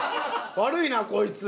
悪いなこいつ。